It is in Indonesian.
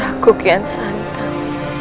aku kian santan